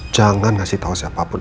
jangan kasih tau siapa pun